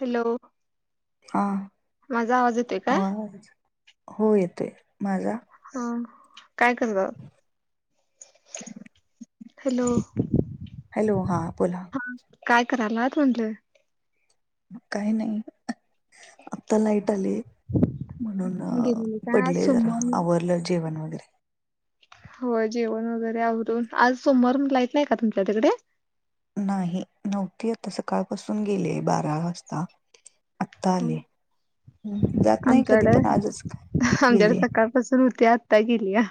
Hello [inaudible] हा माझा आवाज येतोय काय आवाज हो येतोय माझा हा काय करतात? हॅलो हॅलो हां बोला. काय करायलात म्हटलं? काय नाही आता लाईट आली म्हणून अ गेलेली काय आज पडलेय जरा सोमवार आवरलं जेवण वगैरे होय जेवण वगैरे आवरून. आज सोमवार म्हणून लाईट नाही का तुमच्या तिकडे? नाही नव्हती आता सकाळपासून गेले बारा वाजता. आता आले जात नाही कधी पण आजच गेले. पासुन होती आत्ता गेल्या.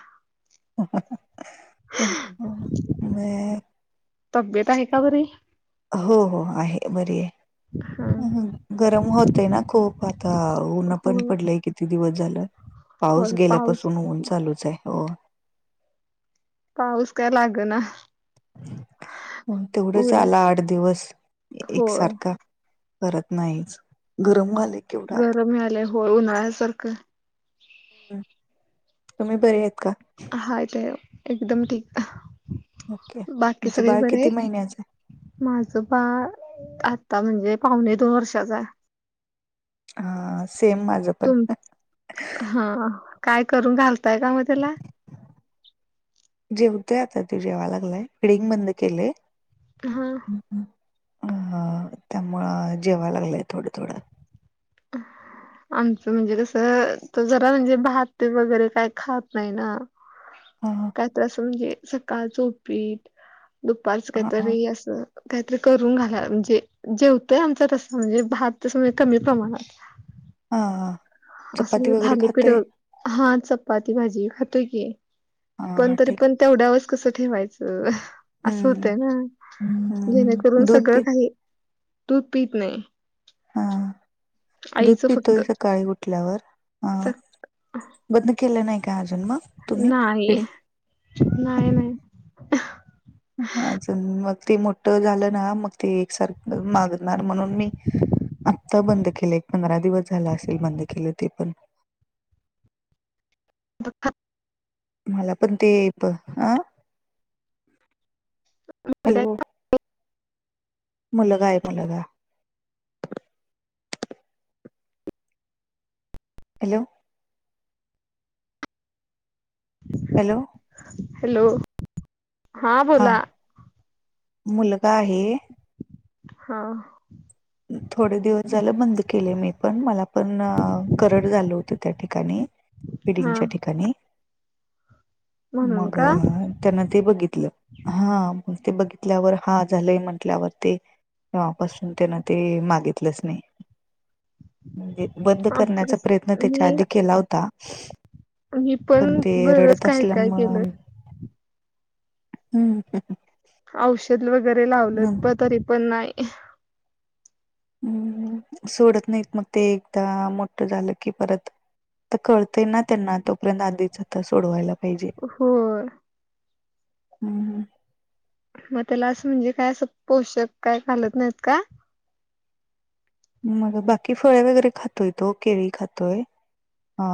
हो हो म- तब्बेत आहे का बरी? हो हो आहे बरी हा, आहे गरम होतय ना खूप आता. ऊना पण होय पडलंय किती दिवस झालं पाऊस होय पाऊस गेल्यापासून ऊन चालूच आहे हो. पाऊस काय लाग ना. तेवढंच आला आठ दिवस होय एकसारखा करत नाहीच गरम होयालय गरम मिळालंय होय उन्हाळ्यासारखं तुम्ही बरे आहेत का? हाय तेव एकदम ठीक. ओके. बाकी तुमचं सगळे बाळ बरे किती आहेत महिन्याच आहे? माझं बाळ आता म्हणजे पावणे दोन वर्षाचा हा सेम माझं पण तुम हा काय करून घालताय का म त्याला जेवतोय आता ते जेवा लागलाय फिडिंग बंद केलेय हा हा त्यामुळं जेवाय लागलंय थोडं-थोडं. [unintelligible] आमचं म्हणजे कसं तो जरा म्हणजे भात वगैरे काय खात नाही ना हा काही त्रासून घे सकाळ चोपीट दुपारचं हा काहीतरी असं काहीतरी करून घाला म्हणजे जेवतंय आमचा तसं म्हणजे भात तसं म्हणजे कमी प्रमाणात. हा हा. असं चपाती म्हणजे वगैरे थालीपीठ, खातोय हा चपाती भाजी खातोय की. पण हा तरी ठीक पण तेवढ्यावरच कसं ठेवायचं असं हम्म होतय ना. हम्म जेणेकरून दूध पी सगळं काही दूध पीत नाही. हा दूध आईचं फक्त पितोय सकाळी उठल्यावर हा. स बंद केलं नाही का अजून म नाही नाही नाही. अजून मग ते मोठं झालं ना मग ते एकसारखं मागणार म्हणून मी आता बंद केलं आहे पंधरा दिवस झाला असेल बंद केलं ते पण [unintelligible] मला पण ते येतो आं हॅलो. मुलगा आहे मुलगा. हॅलो हॅलो हॅलो हा बोला. मुलगा आहे हा थोडे दिवस झालं बंद केले मी पण मला पण करड झालं होत त्या ठिकाणी. हा फिडिंगच्या ठिकाणी म्हणून मग का त्यांनं ते बघितलं हा ते बघितल्यावर हा झालंय म्हटल्यावर ते तेव्हापासून त्यांने ते मागितलंच नाही. म्हणजे बंद आमचं करण्याचा कस प्रयत्न त्याच्या मी आधी केला होता मी पण ते बरंच रडत काय असल्या काय म केलं आम हम्म. औषध वगैरे लावलंत प तरी पण नाय. हम्म सोडत नाहीत मग ते एकदा मोठ झालं की परत तर कळतंय ना त्यांना तोपर्यंत आधीच आता सोडवायला पाहिजे. होय. हम्म हम्म. मग त्याला असं म्हणजे काय असं पोषक काय घालत नाहीत का? मगं बाकी फळे वगैरे खातोय तो केवी खातोय.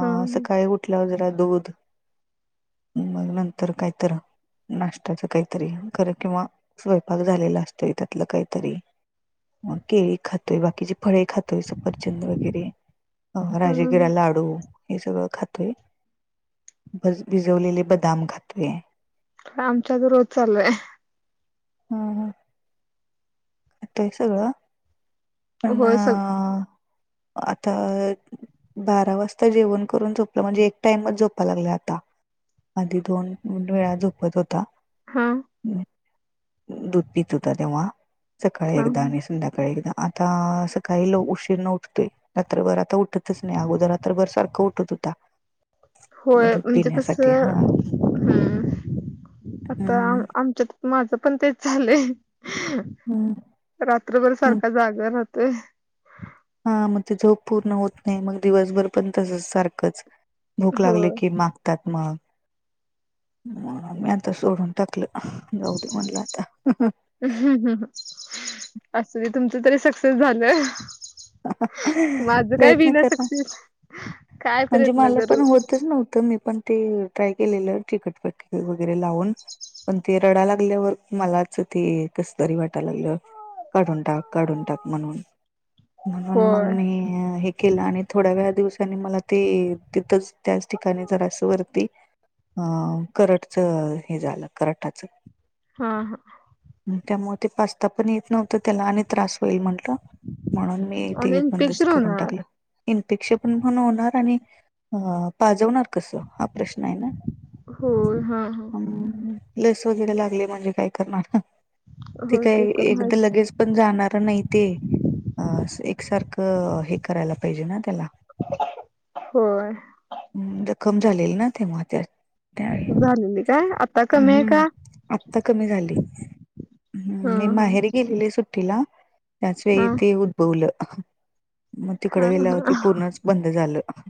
ह सकाळी उठल्यावर जरा दूध मग नंतर काहीतर नाशट्याचं काहीतरी खरं किंवा स्वयंपाक झालेलं असतं त्यातलं काहीतरी मग केळी खातोय बाकीचे फळे खातोय सफरचंद वगैरे अ राजागिरा ह लाडू हे सगळं खातोय भज भिजवलेले बदाम खातोय. आमच्या तर रोज चालू आहे. आता हे सगळं पण होय सग आता बारा वाजता जेवण करून झोपलं म्हणजे एक टाइमच झोपा लागलोय आता. आधी दोन उंडळ्या झोपत होता हा दूध पीत होत तेव्हा सकाळी हा एकदा आणि संध्याकाळी एकदा आता सकाळीला उशीरण उठतोय. रात्रभर आता उठतंच नाही अगोदर रात्रभर सारखा उठत होता. [inaudible] होय दूध म्हणजे पिण्यासाठी कसं हा हम्म आता अ हम्म. आमच्यात माझं पण तेच झालंय. हम्म. रात्रभर सारखा जागा राहतोय. हा म ते झोप पूर्ण होत नाही मग दिवसभर पण तसंच सारखंच भूक हो लागले की मागतात मग म मी आता सोडून टाकलं. जाऊ दे म्हंटल आता. हम्म हम्म असू दे तुमचं तरी सक्सेस झालं. माझं काय प्रयत्न बिना करा. सक्सेस काय प्रयत्न करू तच नव्हतं मी पण ते ट्राय केलेलं ते चिकट पट्टी वगैरे लावून पण ते रडा लागल्यावर मलाच ते कसं तरी वाटाय लागलं. काढून टाक काढून टाक म्हणून म्हणून मग होय मी हे केलं आणि थोड्या वेळा दिवसानी मला ते तिथचं त्याच ठिकाणी जरासा वरती आं करटच हे झालं कराटाचं हा, हा त्यामुळे ते पचता पण येत नव्हतं त्याला आणि त्रास होईल म्हंटलं म्हणून मी आणि ते बंदच इन्फेक्शन करून होणार टाकल इनपेश पण म्हण होणार आणि अ पाजवणार कसं हा प्रश्न आहे ना होय हा, हा लस वगैरे लागली म्हणजे काय करणार ना ते होय काय तर एकदा माहिच लगेच पण जाणार नाही ते. आ एकसारखं हे करायला पाहिजे ना त्याला होय हम्म, जखम झालेली ना तेव्हा त्यात. काय झालेली काय आता कमी आहे का हम्म आता कमी झालंय झालंय हम्म हा मी हा माहेरी गेलेली सु तिला त्याच हा ते उद्भवलं मग तिकड हा गेल्यावरती हा पूर्णच बंद झालं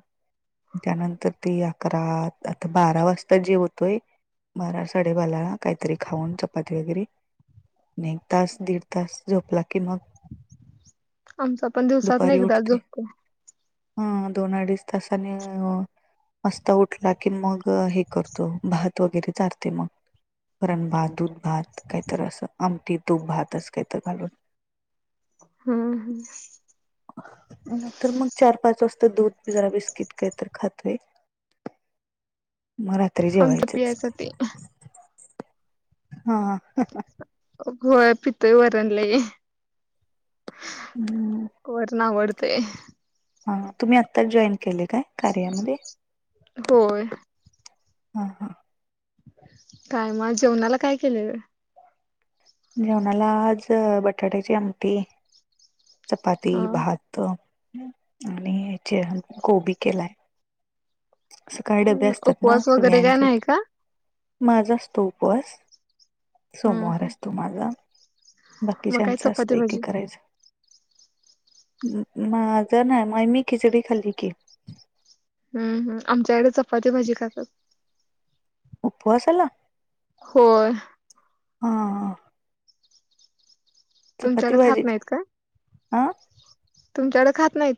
त्यानंतर ते अकरा आता बारा वाजता जेवतोय बारा सडेवाला ना काहीतरी खाऊन चपाती वगैरे नाही तास दीड तास झोपला की मग आमचा पण दिवसातन ना एकदा झोपतो ह दोन अडीच तासाने अ हो अस तो उठला की मग हे करतो, भात वगैरे चारते मग. वरण भात, दूध भात कायतर असं आमटी तूप भात असं कायतर घालून हम्म, हम्म तर मग चार, पाच वाजता दूध जरा बिस्किट काय तर खातोय [inaudible] मग रात्री आमच्या जेवायचच पियासाठी हा ह, ह, ह होय पितोय वरण लई वरण आवडतय हा तुम्ही आताच जॉईन केले काय कार्यामध्ये होय. ह, ह काय मग जेवणाला काय केलेल? जेवणाला आज बटाट्याची आमटी, चपाती, हा भात त आणि चे गोबी केलाय सकाळी डबे असतात ना उपवास वगैरे काय सगळ्यांचे नाही का माझा असतो उपवास, सोमवार हम्म असतो माझा. मग काय बाकीच्यांचं असत चपाती एक भाजी एक करायच माझं नाय मी खिचडी खाल्ली की हम्म, हम्म आमच्याकडे चपाती भाजी खातात उपवासाला होयं हा चपाती तुमच्याकडे भाजी खात नाहीत का? हा तुमच्याकडे खात नाहीत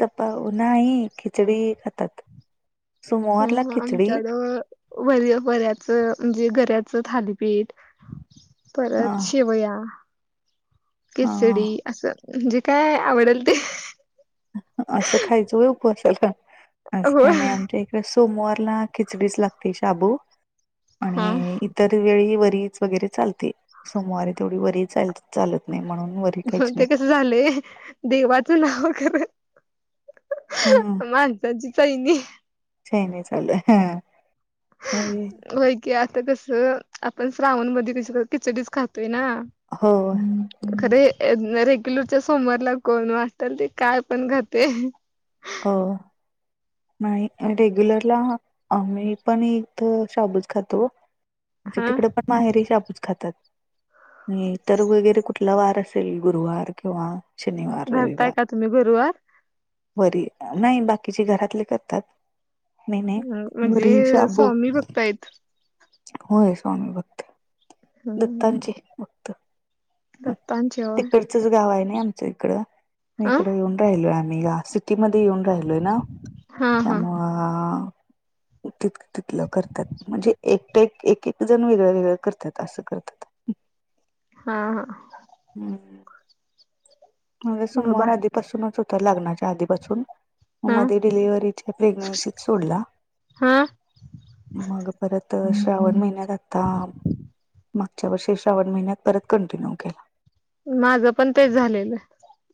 चपा नाही खिचडी खातात सोमवारला खिचडी वय बऱ्याचं म्हणजे गऱ्याचं थालीपीठ अ परत शेवया अ खिचडी असं जे काय आवडेल ते असं खायचं होय उपवासाला, असं होय काही नाही आमच्या इ सोमवारला खिचडीच लागते शाबू हा आणि तर वेळी वरीच वगैरे चालती. सोमवारी तेवढी वरी चाल-चालत नाही म्हणून व मग ते कसं झालंय, देवाच नाव खर हम्म. माणसा ची चैनी काय नाही चाललंय हां हा ये होयं की आता कसं आपण श्रावण मध्ये कस खिचडीच खातोय ना हो ह, ह अं रेग्युलरच्या सोमवारला कोण वाटल ते काय पण खातंय. क नाही म रेग्युलरला आम्ही पण इथं शाबूच खातो म्हणजे हा तिकडे पण माहेरी शाबूच खातात. आणि इतर वगैरे कुठला वार असेल गुरुवार किंवा शनिवार धरताय रविवार का तुम्ही गुरुवार? वरी नाही बाकीचे घरातले करतात. नाही, नाही. हं, वरी आणि म्हणजे शाबू. स्वामी भक्त आहेत होय स्वामीभक्त दत्तांचे भक्त दत्तांची वार चच गाव आहे नाही आमचं इकडं. मी अं? इकडं येऊन राहिलोय आम्ही या सिट तीमध्ये येऊन राहिलोय ना. हा हा त्यामुळं तित-तिथलं करतात म्हणजे एकट्या एक-एक जण वेगळ वेगळ करत्यात असं करतात. हा, हा. हम्म. माझा बाबा सोमवार आधीपासूनच होता, लग्नाच्या आधीपासून. मग हा मधी डिलिव्हरीच्या प्रेग्नन्सीत सोडला. हा मग परत श्रावण महिन्यात आता मागच्या वर्षी श्रावण महिन्यात परत कंटिन्यू केला. माझं पण तेच झालेलं.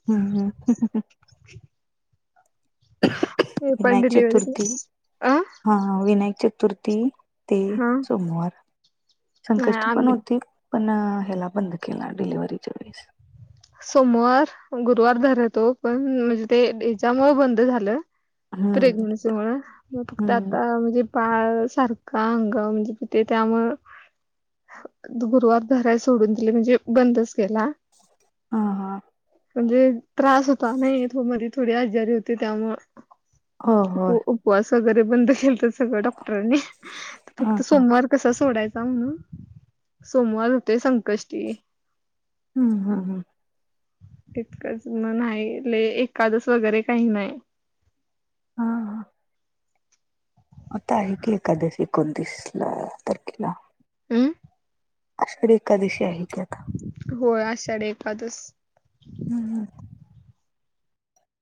हम्म, हम्म. मी पण विनायक डिलिव्हरीत, चतुर्थी अं? हा, हा विनायक चतुर्थी ते हा सोमवार नाही संकष्टी पण आम्ही होती. पण ह्याला बंद केला डिलिव्हरीच्या वेळेस. सोमवार, गुरुवार धरतो पण म्हणजे ते हेच्यामुळ बंद झालं. हम्म प्रेग्नन्सीमुळं फक्त हम्म आता म्हणजे बाळ सारखं अंगावरन जात त्यामुळं गुरुवार धरायच सोडून दिलं म्हणजे बंदच केला. हा, हा. म्हणजे त्रास होता नाही मध्ये थोडी आजारी होती त्यामुळं हो उप होय उपवास वगैरे बंद के सगळं डॉक्टरांनी हा फक्त हा सोमवार कसा सोडायचा म्हणून सोमवार होते संकष्टी हम्म, हम्म, हं. तितकंच मग नाही, लई एकादस वगैरे काही नाही. हा, हा. आता आहे की एखादशी एकोणतीसला तारखेला. अं? आषाढी एखकादशी आहे त्यात. होय आषाढ एकादस हम्म, हम्म.